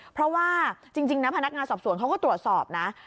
เพราะว่าจริงนะพนักงานสอบสวนเขาก็ตรวจสอบนะ